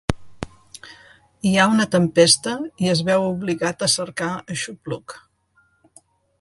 Hi ha una tempesta i es veu obligat a cercar aixopluc.